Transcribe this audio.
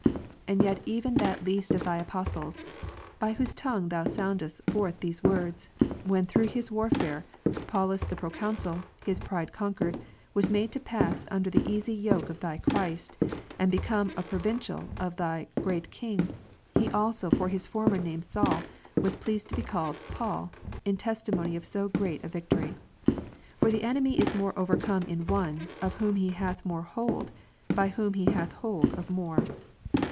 And yet even that least of Thy apostles, by whose tongue Thou soundedst forth these words, when through his warfare, Paulus the Proconsul, his pride conquered, was made to pass under the easy yoke of Thy Christ, and became a pro vincial of the great King ; he also for his former name Saul, was pleased to be called Paul ^, in testimony of so great a vic tory. For the enemy is more overcome in one, of whom he hath more hold ; by whom he hath hold of more.